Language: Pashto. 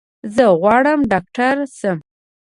زه غواړم ډاکټر شم.